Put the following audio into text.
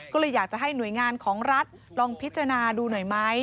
ก็เลยอยากจะให้หน่วยงานของรัฐลองพิจารณาดูหน่อยไหม